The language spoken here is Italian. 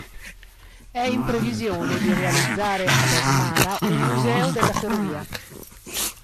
È in previsione di realizzare ad Asmara un museo della ferrovia.